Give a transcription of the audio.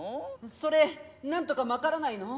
それなんとかまからないの？